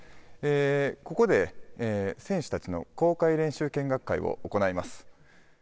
ここで選手たちの公開練習見学会を行います。